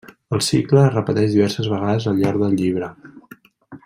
El cicle es repeteix diverses vegades al llarg del llibre.